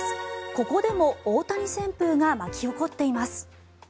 ここでも大谷旋風が巻き起こっています。